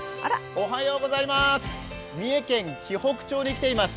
三重県紀北町に来ています。